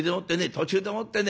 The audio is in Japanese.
途中でもってね